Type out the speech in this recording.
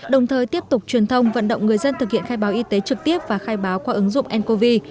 đồng thời tiếp tục truyền thông vận động người dân thực hiện khai báo y tế trực tiếp và khai báo qua ứng dụng ncov